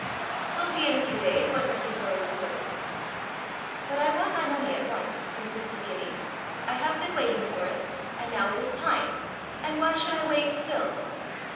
"We'll see in a few days what Mr. Torrie proposes." "But I want my money at once," insisted Gibbie. "I have been waiting for it, and now it is time, and why should I wait still?"